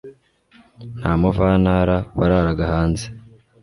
nta muvantara wararaga hanze